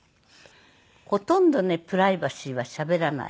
ほとんどねプライバシーはしゃべらない。